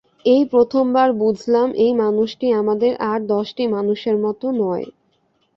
এই প্রথম বুঝলাম-এই মানুষটি আমাদের আর দশটি মানুষের মতো ময়।